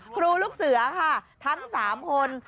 ลูกเสือค่ะทั้ง๓คน